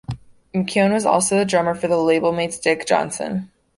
McKeown was also the drummer for labelmates Dick Johnson.